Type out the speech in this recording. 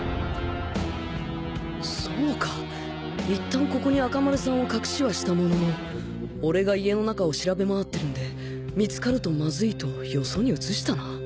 そうかいったんここに赤丸さんを隠しはしたものの俺が家の中を調べ回ってるんで見つかるとマズイとよそに移したな。